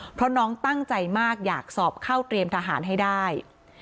เพราะน้องตั้งใจมากอยากสอบเข้าเตรียมทหารให้ได้